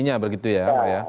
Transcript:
nya begitu ya